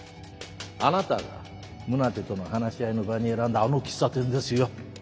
あなたが宗手との話し合いの場に選んだあの喫茶店ですよ。